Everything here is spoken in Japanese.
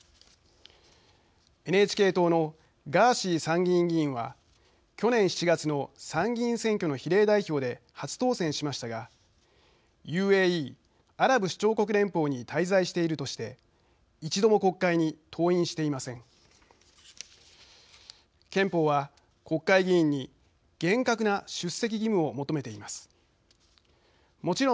ＮＨＫ党のガーシー参議院議員は去年７月の参議院選挙の比例代表で初当選しましたがＵＡＥ＝アラブ首長国連邦に滞在しているとして１度も国会に登院していません。